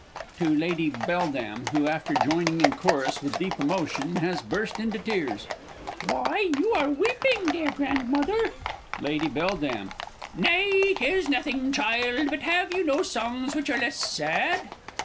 _ To Lady B. (who, after joining in chorus with deep emotion, has burst into tears). Why, you are weeping, dear Grandmother! Lady B. Nay, 'tis nothing, child but have you no songs which are less sad?